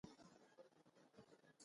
ګوزارا یې نه وه زده.